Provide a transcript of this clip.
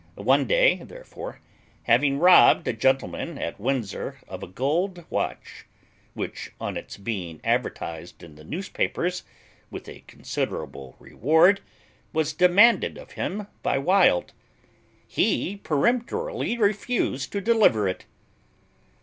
One day, therefore, having robbed a gentleman at Windsor of a gold watch, which, on its being advertised in the newspapers, with a considerable reward, was demanded of him by Wild, he peremptorily refused to deliver it.